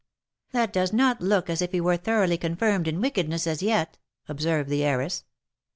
" That does not look as if he were thoroughly confirmed in wicked ness as yet," observed the heiress.